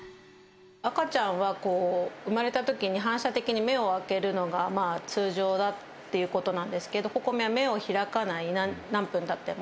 赤ちゃんは生まれたときに反射的に目を開けるのが通常だっていうことなんですけど、心々咲は目を開かない、何分たっても。